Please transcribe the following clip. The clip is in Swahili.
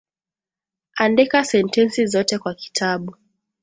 Andika sentensi zote kwa kitabu